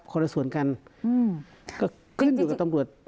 คนละส่วนกันก็ขึ้นอยู่กับตำรวจ